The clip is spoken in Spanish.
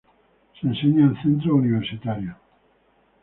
Se enseña en centros universitarios.